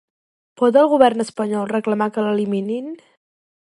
Pot el govern espanyol reclamar que l'eliminin?